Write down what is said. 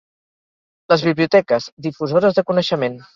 Les biblioteques, difusores de coneixement.